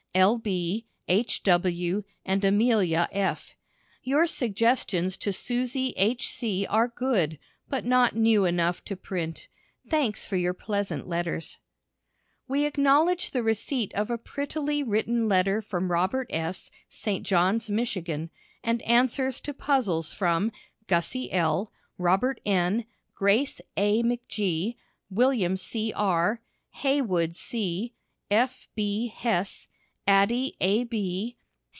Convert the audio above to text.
L. B. H. W. and AMELIA F. Your suggestions to Susie H. C. are good, but not new enough to print. Thanks for your pleasant letters. We acknowledge the receipt of a prettily written letter from Robert S., St. Johns, Michigan, and answers to puzzles from Gussie L., Robert N., Grace A. McG., William C. R., Heywood C., F. B. Hesse, Addie A. B.